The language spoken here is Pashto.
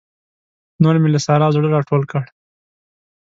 نور مې له سارا زړه راټول کړ.